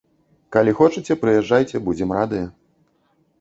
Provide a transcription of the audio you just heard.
Калі хочаце, прыязджайце, будзем радыя.